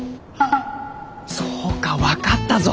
そうか分かったぞ。